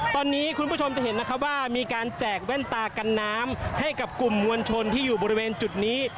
ตอนนี้คุณผู้ชมจะเห็นนะครับว่ามีการแจกแว่นตากันน้ำให้กับกลุ่มมวลชนที่อยู่บริเวณจุดนี้